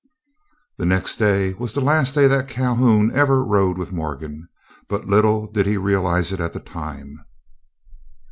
The next day was the last day that Calhoun ever rode with Morgan, but little did he realize it at the time.